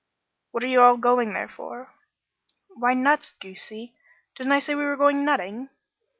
"What are you all going there for?" "Why, nuts, goosey; didn't I say we were going nutting?"